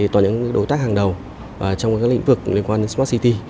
tòa những đối tác hàng đầu trong các lĩnh vực liên quan đến smart city